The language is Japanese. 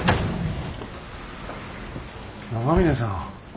長嶺さん。